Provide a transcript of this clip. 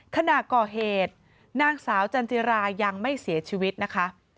ขณะก่อเหตุนางสาวจันจิรายังไม่เสียชีวิตนะคะ